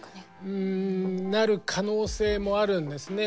うんなる可能性もあるんですね。